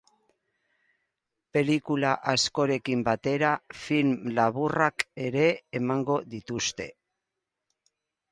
Pelikula askorekin batera, film laburrak ere emango dituzte.